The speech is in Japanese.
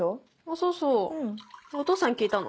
そうそうお父さんに聞いたの？